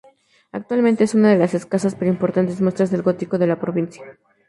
Actualmente es una de las escasas, pero importantes, muestras del gótico de la provincia.